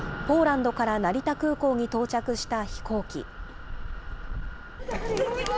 ポーランドから成田空港に到着した飛行機。